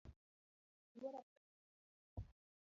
Oluoro kede